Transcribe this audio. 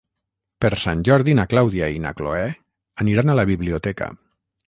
Per Sant Jordi na Clàudia i na Cloè aniran a la biblioteca.